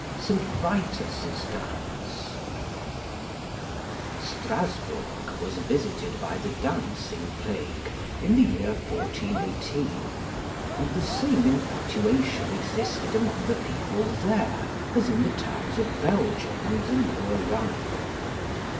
SECT. 2 ST. VITUS'S DANCE Strasburg was visited by the "Dancing Plague" in the year 1418, and the same infatuation existed among the people there, as in the towns of Belgium and the Lower Rhine.